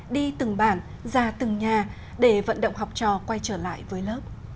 đi từng bản ra từng nhà để vận động học trò quay trở lại với lớp